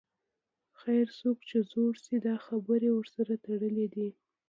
خیر، څوک چې زوړ شي دا خبرې ورسره تړلې دي.